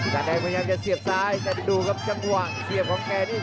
สเมอร์ไนท์พยายามจะเสียบซ้ายแต่ดูครับจังหว่างเสียบของแกนี่